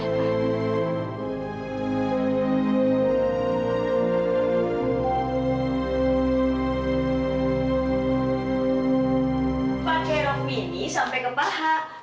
pakai rok mini sampai ke paha